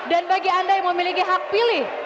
dan bagi anda yang memiliki hak pilih